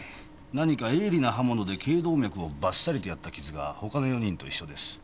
何か鋭利な刃物で頚動脈をバッサリとやった傷が他の４人と一緒です。